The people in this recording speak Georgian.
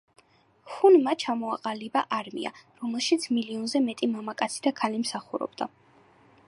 ჰუნმა ჩამოაყალიბა არმია, რომელშიც მილიონზე მეტი მამაკაცი და ქალი მსახურობდა.